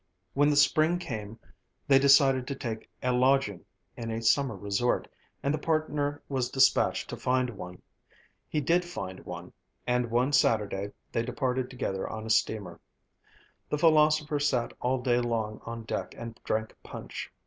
When the spring came they decided to take a lodging in a summer resort, and the partner was despatched to find one. He did find one. And one Saturday they departed together on a steamer. The philosopher sat all day long on deck and drank punch.